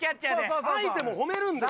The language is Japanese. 相手も褒めるんですよ。